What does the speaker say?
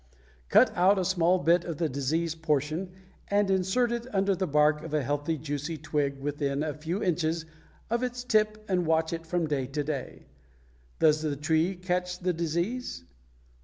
Cut out a small bit of the diseased portion and insert it under the bark of a healthy, juicy twig within a few inches of its tip and watch it from day to day. Does the tree catch the disease?